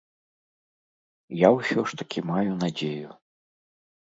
Я ўсё ж такі маю надзею.